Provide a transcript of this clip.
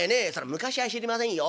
昔は知りませんよ。